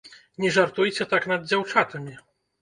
Не жартуйце так над дзяўчатамі!